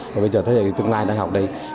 và bây giờ thế hệ tương lai đại học đây